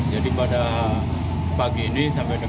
jadi pada pagi ini